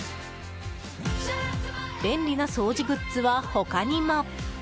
便利な掃除グッズは他にも。